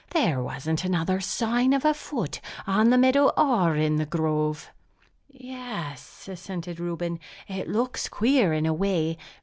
There wasn't another sign of a foot, on the meadow or in the grove!" "Yes," assented Reuben, "it looks queer in a way.